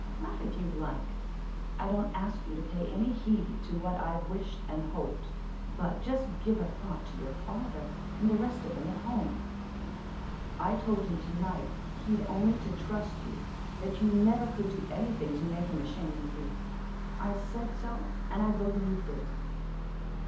Laugh if you like! I don't ask you to pay any heed to what I've wished and hoped; but just give a thought to your father, and the rest of them at home. I told him to night he'd only to trust you, that you never could do anything to make him ashamed of you. I said so, and I believe it.